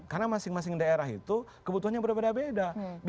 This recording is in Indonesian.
karena masing masing daerah itu kebutuhannya berbeda beda